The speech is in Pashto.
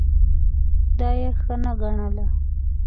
دا یې ښه نه ګڼله.